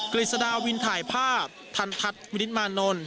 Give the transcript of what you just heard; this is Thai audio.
กฤษฎาวินถ่ายภาพทันทัศน์มิริตมานนท์